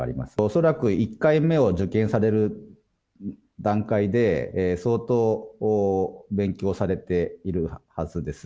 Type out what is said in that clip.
恐らく１回目を受験される段階で、相当勉強されているはずです。